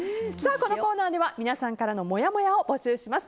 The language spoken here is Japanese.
このコーナーでは皆さんからのもやもやを募集します。